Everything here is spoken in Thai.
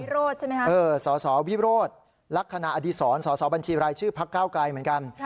โรธใช่ไหมคะสสวิโรธลักษณะอดีศรสอสอบัญชีรายชื่อพักเก้าไกลเหมือนกัน